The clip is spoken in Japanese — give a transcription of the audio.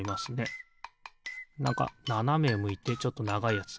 なんかななめむいてちょっとながいやつ。